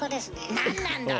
何なんだろ。